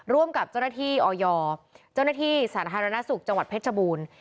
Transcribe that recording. ร่วมกับเจ้าหน้าที่ออยเจ้าหน้าที่สาธารณสุขจังหวัดเพชรบูรณ์